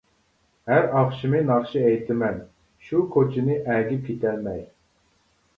ھەر ئاخشىمى ناخشا ئېيتىمەن، شۇ كوچىنى ئەگىپ كېتەلمەي.